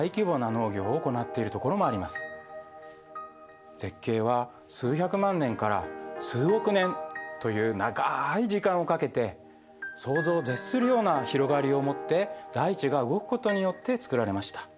一方で絶景は数百万年から数億年という長い時間をかけて想像を絶するような広がりをもって大地が動くことによって作られました。